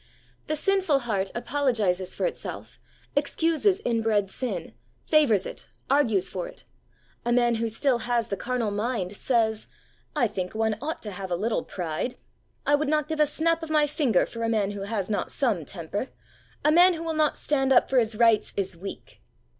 The sinful heart apologizes for itself, excuses inbred sin, favours it, argues for it. A man who still has the carnal 52 THE WAY OF HOLINESS mind says, ' I think one ought to have a little pride. I would not give a snap of my finger for a man who had not some temper. A man who will not stand up for his rights is weak.